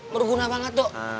berguna banget tuh